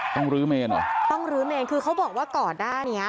ลื้อเมนเหรอต้องลื้อเมนคือเขาบอกว่าก่อนหน้านี้